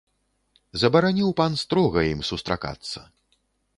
Забараніў пан строга ім сустракацца.